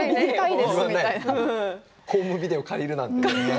ホームビデオを借りるなんてね。